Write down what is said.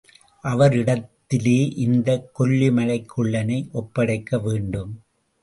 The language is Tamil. அவரிடத்திலே இந்தக் கொல்லிமலைக்குள்ளனை ஒப்படைக்க வேண்டும்.